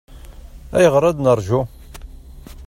Ayɣer ad nraju?